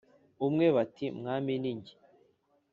umwe bati Mwami ni jye